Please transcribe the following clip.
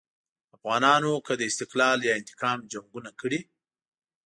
افغانانو که د استقلال یا انتقام جنګونه کړي.